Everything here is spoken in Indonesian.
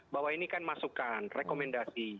bahwa ini kan masukan rekomendasi